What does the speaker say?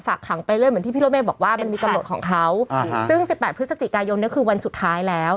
ขังไปเรื่อยเหมือนที่พี่รถเมฆบอกว่ามันมีกำหนดของเขาซึ่งสิบแปดพฤศจิกายนเนี่ยคือวันสุดท้ายแล้ว